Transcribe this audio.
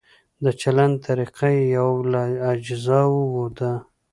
د چلند طریقه یو له اجزاوو ده.